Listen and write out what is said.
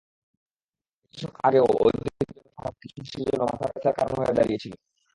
কয়েক দশক আগেও অধিক জনসংখ্যা কিছু দেশের জন্য মাথাব্যথার কারণ হয়ে দাঁড়িয়েছিল।